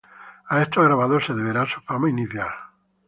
A estos grabados se deberá su fama inicial.